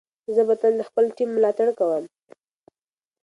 زه به تل د خپل ټیم ملاتړ کوم.